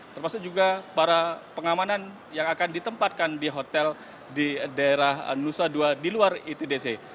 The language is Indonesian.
termasuk juga para pengamanan yang akan ditempatkan di hotel di daerah nusa dua di luar itdc